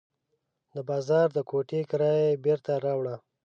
د بازار د کوټې کرایه یې بېرته راوړه.